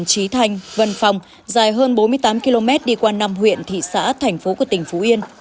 trí thành vân phong dài hơn bốn mươi tám km đi qua năm huyện thị xã thành phố của tỉnh phú yên